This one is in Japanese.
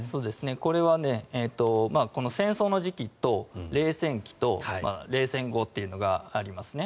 これは戦争の時期と冷戦期と、冷戦後というのがありますね。